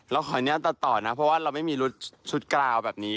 ขออนุญาตตัดต่อนะเพราะว่าเราไม่มีรถชุดกราวแบบนี้